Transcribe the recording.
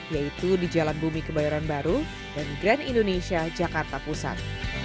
yaitu di jalan bumi kebayoran baru dan grand indonesia jakarta pusat